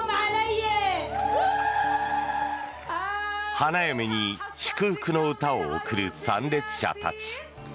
花嫁に祝福の歌を贈る参列者たち。